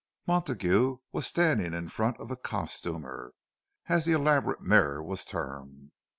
Montague was standing in front of the "costumer," as the elaborate mirror was termed.